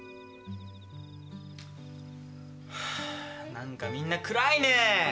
何かみんな暗いねえ。